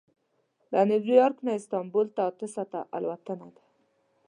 له نیویارک نه استانبول ته اته ساعته الوتنه ده.